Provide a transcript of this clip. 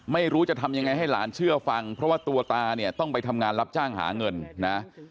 ไม่รู้จะทำยังไงให้หลานเชื่อฟังเพราะว่าตัวตาเนี่ยต้องไปทำงานรับจ้างหาเงินนะ